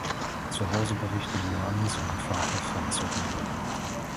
Zuhause berichtet Yoann seinem Vater von Soraya.